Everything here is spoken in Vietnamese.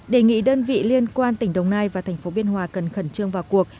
đề nghị đơn vị liên quan tỉnh đồng nai và thành phố biên hòa cần khẩn trương vào cuộc